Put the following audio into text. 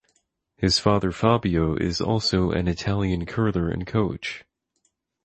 Her father Fabio is also an Italian curler and coach.